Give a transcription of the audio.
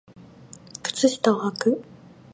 靴下をはく